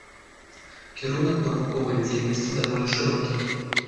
Кірунак навуковай дзейнасці даволі шырокі.